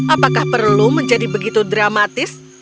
apakah perlu menjadi begitu dramatis